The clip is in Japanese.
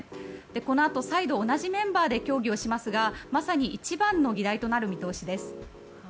このあと再度同じメンバーで協議しますがまさに一番の議題となる見通しです。